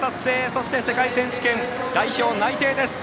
そして、世界選手権代表内定です。